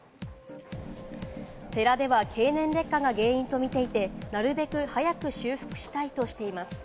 寺では経年劣化が原因とみていて、なるべく早く修復したいとしています。